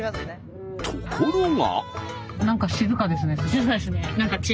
ところが。